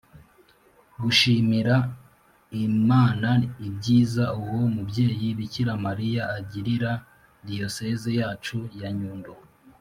gushimira imana ibyiza uwo mubyeyi bikira mariya agirira diyosezi yacu ya nyundo.